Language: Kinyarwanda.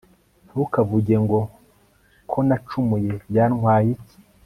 ntukavuge ngo ko nacumuye byantwaye iki